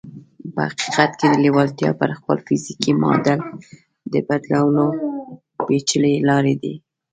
په حقیقت کې لېوالتیا پر خپل فزیکي معادل د بدلېدو پېچلې لارې لري